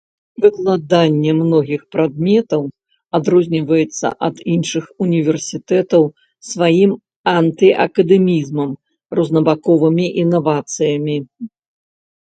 Выкладанне многіх прадметаў адрозніваецца ад іншых універсітэтаў сваім анты-акадэмізмам, рознабаковымі інавацыямі.